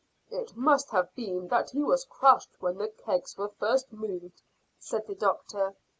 "It must have been that he was crushed when the kegs were first moved," said the doctor.